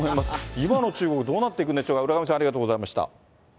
今の中国、どうなっていくんでしょうか、浦上さん、ありがとうございました。